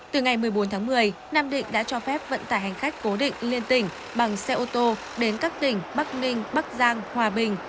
từ ngày một mươi bốn tháng một mươi nam định đã cho phép vận tải hành khách cố định liên tỉnh bằng xe ô tô đến các tỉnh bắc ninh bắc giang hòa bình